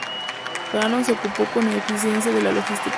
Hannón se ocupó con eficiencia de la logística.